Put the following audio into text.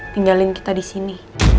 tinggalin kita di sini